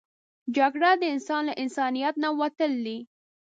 جګړه د انسان له انسانیت نه وتل دي